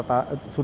di setiap tahun